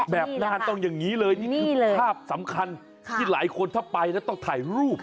แบบน่านต้องอย่างนี้เลยนี่คือภาพสำคัญที่หลายคนถ้าไปแล้วต้องถ่ายรูป